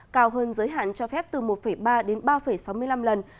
cao hơn giới hạn cho phép từ một ba đến ba sáu mươi năm lần